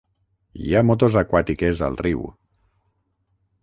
Hi ha motos aquàtiques al riu.